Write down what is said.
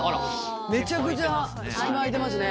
めちゃくちゃ隙間空いてますね。